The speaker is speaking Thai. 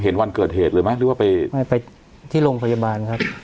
วันเกิดเหตุเลยไหมหรือว่าไปไม่ไปที่โรงพยาบาลครับ